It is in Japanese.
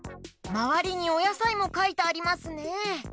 まわりにおやさいもかいてありますね。